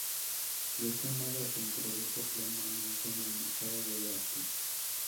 De este modo se introdujo plenamente en el mercado del arte.